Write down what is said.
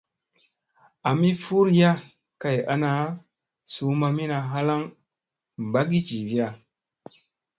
Ami furiya kay ana suu mamina halaŋ ɓagii jiviya.